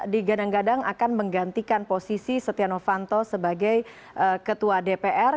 digadang gadang akan menggantikan posisi setia novanto sebagai ketua dpr